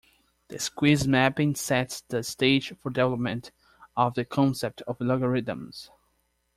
The squeeze mapping sets the stage for development of the concept of logarithms.